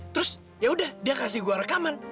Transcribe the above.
terus yaudah dia kasih gue rekaman